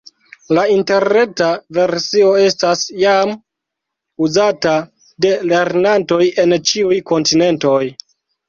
La interreta versio estas jam uzata de lernantoj en ĉiuj kontinentoj.